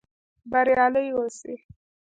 بریالي اوسئ؟